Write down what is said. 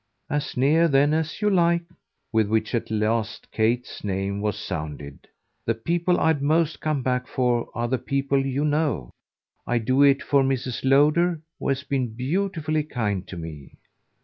"As near then as you like!" With which at last Kate's name was sounded. "The people I'd most come back for are the people you know. I'd do it for Mrs. Lowder, who has been beautifully kind to me."